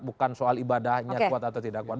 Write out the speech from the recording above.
bukan soal ibadahnya kuat atau tidak kuat